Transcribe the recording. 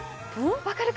わかるか？